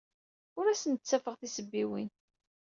Ur asent-d-ttafeɣ tisebbiwin.